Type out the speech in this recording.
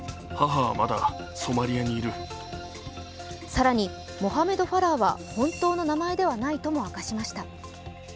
更にモハメド・ファラーは本当の名前ではないと明かしました。